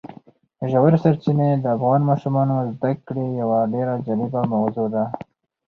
ژورې سرچینې د افغان ماشومانو د زده کړې یوه ډېره جالبه موضوع ده.